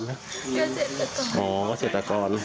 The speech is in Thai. พ่อหรือแม่นับสมข่าวแล้วอยากให้ติดต่อกับมัน